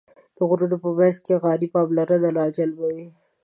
د غرونو په منځ کې غارې پاملرنه راجلبوي.